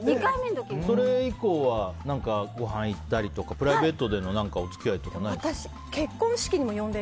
それ以降はご飯行ったりとかプライベートでのお付き合いはないの？